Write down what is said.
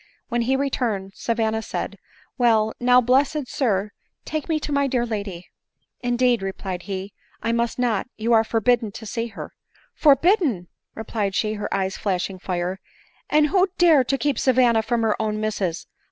When he returned, Savanna said, " well— now, bless* ed sir, take me to my dear lady." ^" ADELINE MOWBRAY. 253 " Indeed," replied he, " I must not ; you are forbidden to see her." "Forbidden!" replied she, her eyes flashing fire; " and who dare to keep Savanna from her own misses